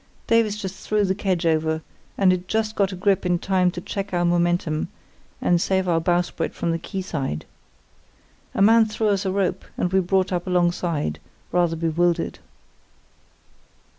Davies just threw the kedge over, and it just got a grip in time to check our momentum and save our bowsprit from the quayside. A man threw us a rope and we brought up alongside, rather bewildered.